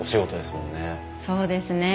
そうですね。